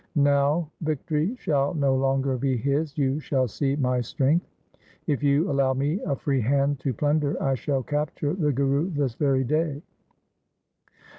Now victory shall no longer be his. You shall sec my strength. If you allow me a free hand to plunder I shall capture the Guru this very day.'